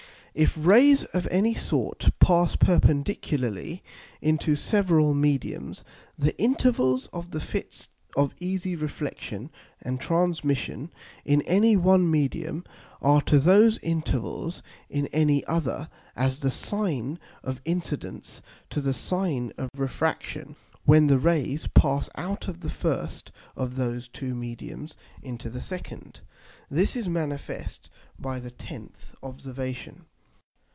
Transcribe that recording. _If Rays of any sort pass perpendicularly into several Mediums, the Intervals of the Fits of easy Reflexion and Transmission in any one Medium, are to those Intervals in any other, as the Sine of Incidence to the Sine of Refraction, when the Rays pass out of the first of those two Mediums into the second._ This is manifest by the 10th Observation.